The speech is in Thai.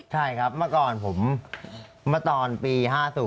ใช่ครับมาก่อนผมมาตอนปี๕๐